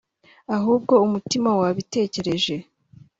ahubwo umutima wabitekereje